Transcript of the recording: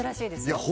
いや